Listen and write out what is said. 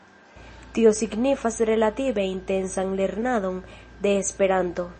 Tio signifas relative intensan lernadon de Esperanto.